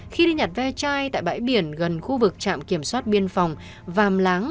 khi đi nhặt ve chai tại bãi biển gần khu vực trạm kiểm soát biên phòng vàm láng